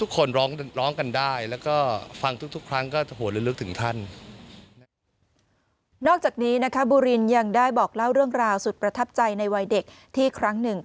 ทุกคนร้องร้องกันได้แล้วก็ฟังทุกทุกครั้งก็โหดถึงท่านนอกจากนี้นะคะบุรินยังได้บอกเล่าเรื่องราวสุดประทับใจในวัยเด็กที่ครั้งหนึ่ง